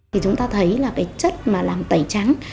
thì chúng ta thấy là cái chất mà làm tẩy trắng